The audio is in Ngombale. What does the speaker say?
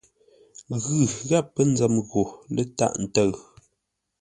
Ghʉ gháp pə́ nzəm ghô lə́ tâʼ ntə̂ʉ.